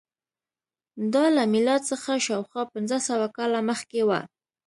دا له میلاد څخه شاوخوا پنځه سوه کاله مخکې وه.